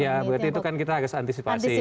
ya berarti itu kan kita harus antisipasi